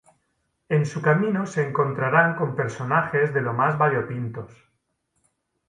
En su camino se encontrarán con personajes de lo más variopintos.